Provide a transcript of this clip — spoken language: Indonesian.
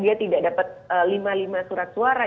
dia tidak dapat lima lima surat suara